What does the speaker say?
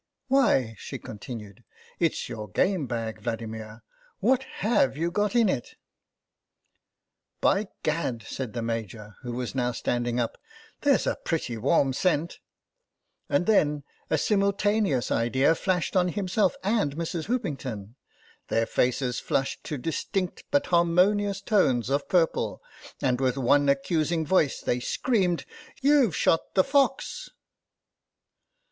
"Why," she continued, "it's your game bag, Vladimir ! What have you got in it ?" 6 82 THE BAG '*By Gad," said the Major, who was now standing up ;" there's a pretty warm scent !" And then a simultaneous idea flashed on himself and Mrs. Hoopington. Their faces flushed to distinct but harmonious tones of purple, and with one accusing voice they screamed, " YouVe shot the fox